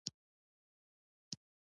د کور بالښت نرمه پوښ نه درلوده.